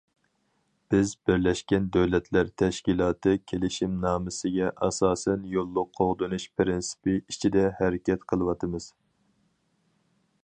بىز بىرلەشكەن دۆلەتلەر تەشكىلاتى كېلىشىمنامىسىگە ئاساسەن يوللۇق قوغدىنىش پىرىنسىپى ئىچىدە ھەرىكەت قىلىۋاتىمىز.